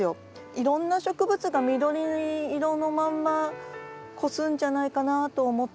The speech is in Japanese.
いろんな植物が緑色のまんま越すんじゃないかなと思ってます。